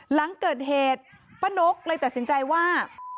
หลังเกิดเหตุป้านกเลยตัดสินใจว่า